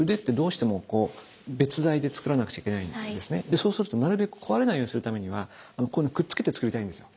そうするとなるべく壊れないようにするためにはここにくっつけてつくりたいんですよ。